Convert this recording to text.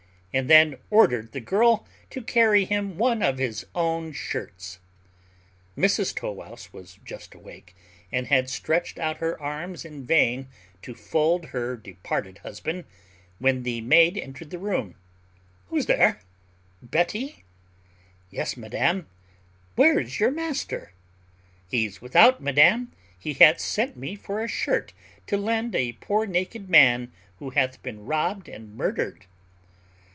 and then ordered the girl to carry him one of his own shirts. Mrs Tow wouse was just awake, and had stretched out her arms in vain to fold her departed husband, when the maid entered the room. "Who's there? Betty?" "Yes, madam." "Where's your master?" "He's without, madam; he hath sent me for a shirt to lend a poor naked man, who hath been robbed and murdered."